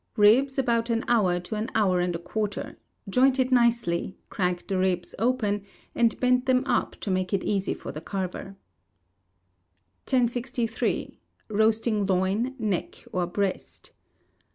Ribs, about an hour to an hour and a quarter; joint it nicely; crack the ribs across, and bend them up to make it easy for the carver. 1063. Roasting Loin, Neck or Breast.